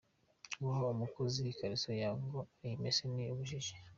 Guha umukozi ikariso yawe ngo ayimese ni ubujiji.